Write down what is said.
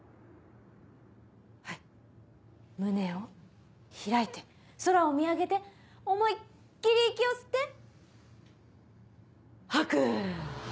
はい胸を開いて空を見上げて思いっ切り息を吸って吐く。